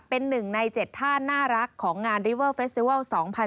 เป็นหนึ่งใน๗ท่าน่ารักของงานริเวอร์เฟสติวัล๒๐๑๖